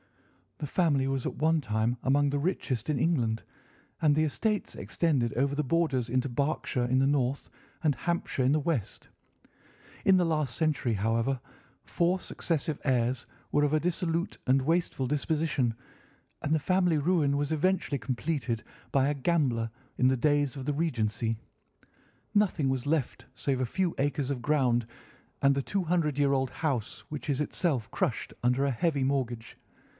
"The family was at one time among the richest in England, and the estates extended over the borders into Berkshire in the north, and Hampshire in the west. In the last century, however, four successive heirs were of a dissolute and wasteful disposition, and the family ruin was eventually completed by a gambler in the days of the Regency. Nothing was left save a few acres of ground, and the two hundred year old house, which is itself crushed under a heavy mortgage.